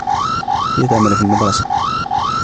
هي تعمل في المدرسة.